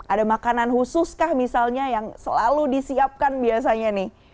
ada makanan khusus kah misalnya yang selalu disiapkan biasanya nih